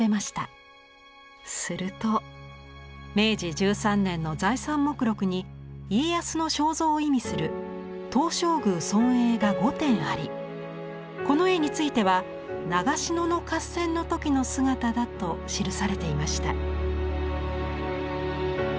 すると明治１３年の財産目録に家康の肖像を意味する「東照宮尊影」が５点ありこの絵については長篠の合戦の時の姿だと記されていました。